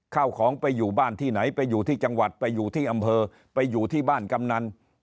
ข้าวของไปอยู่บ้านที่ไหนไปอยู่ที่จังหวัดไปอยู่ที่อำเภอไปอยู่ที่บ้านกำนัน